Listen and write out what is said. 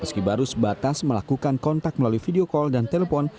meski baru sebatas melakukan kontak melalui video call dan telepon